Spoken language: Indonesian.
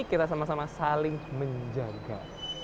kita sama sama saling menjaga